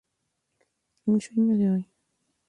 Magnolia", "Mi sueño de hoy", "Jazmín" y "Collar".